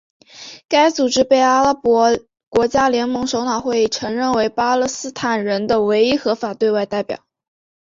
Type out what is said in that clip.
该组织被阿拉伯国家联盟首脑会议承认为巴勒斯坦人的唯一合法对外代表。